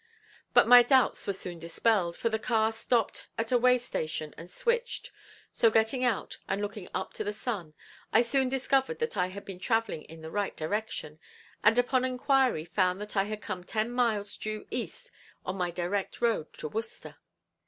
But my doubts were soon dispelled, for the car stopped at a way station and switched, so getting out, and looking up to the sun I soon discovered that I had been traveling in the right direction, and upon inquiry found that I had come ten miles due east on my direct road to Worcester.